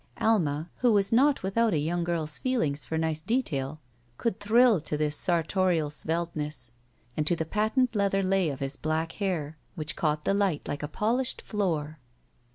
Alma, who was not without a young girl's feelings for nice detail, could thrill to this sartorial svelteness and to the patent leather lay of his black hair which caught the light like a polished floor.